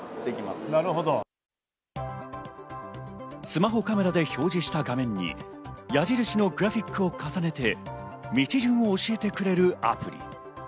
スマホカメラで表示した画面に矢印のグラフィックを重ねて道順を教えてくれるアプリ。